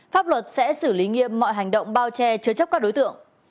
pháp luật sẽ xử lý nghiêm mọi hành động bao che chứa chấp các đối tượng